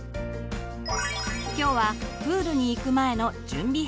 今日はプールに行く前の準備編。